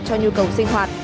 cho nhu cầu sinh hoạt